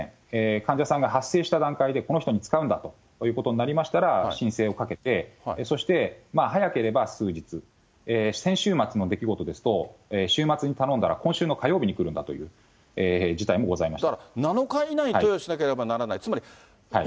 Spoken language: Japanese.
患者さんが発生した段階で、この人に使うんだということになりましたら、申請をかけて、そして、早ければ数日、先週末の出来事ですと、週末に頼んだら、今週の火曜日に来るんだという事態もございました。